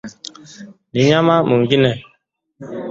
mnyama mwingine